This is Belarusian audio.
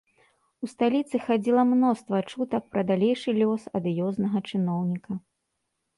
У сталіцы хадзіла мноства чутак пра далейшы лёс адыёзнага чыноўніка.